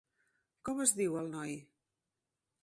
Com es diu el noi?